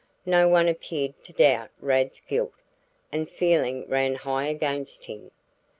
No one appeared to doubt Rad's guilt, and feeling ran high against him.